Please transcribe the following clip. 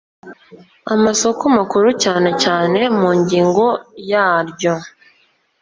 Amasoko Makuru cyane cyane mu ngingo yaryo